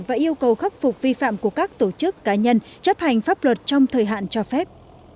và yêu cầu khắc phục vi phạm của các tổ chức cá nhân chấp hành pháp luật trong thời hạn cho phép